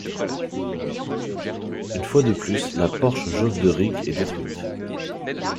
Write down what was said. Une fois de plus, la Porsche jaune de Ric est détruite.